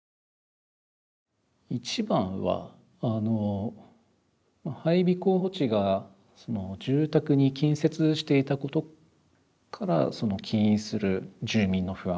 一番はあの配備候補地が住宅に近接していたことから起因する住民の不安。